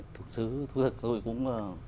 thực sự tôi cũng